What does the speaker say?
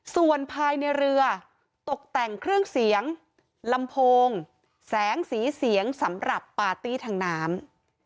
ส่วนภายในเรือตกแต่งเครื่องเสียงลำโพงแสงสีเสียงสำหรับปาร์ตี้ทางน้ำ